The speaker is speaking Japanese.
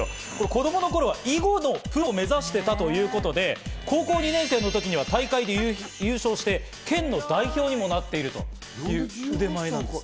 子供の頃は囲碁のプロを目指していたということで、高校２年生の時には大会で優勝して、県の代表にもなっているという腕前なんです。